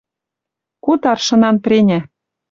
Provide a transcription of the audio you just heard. Куд аршынан преня!